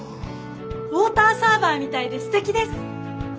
ウォーターサーバーみたいですてきです！